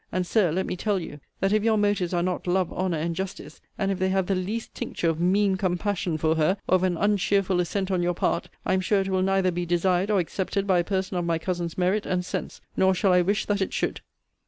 And, Sir, let me tell you, that if your motives are not love, honour, and justice, and if they have the least tincture of mean compassion for her, or of an uncheerful assent on your part, I am sure it will neither be desired or accepted by a person of my cousin's merit and sense; nor shall I wish that it should.